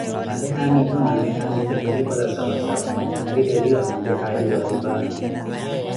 apee haamitu na mme hamitu khujipwaza sawa sawa, na ripeliwa kanju haali za oripa.